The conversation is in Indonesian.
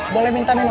boleh minta minum ya